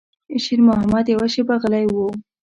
شېرمحمد يوه شېبه غلی و.